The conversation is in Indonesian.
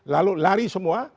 lalu lari semua